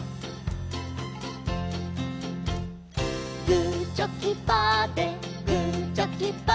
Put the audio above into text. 「グーチョキパーでグーチョキパーで」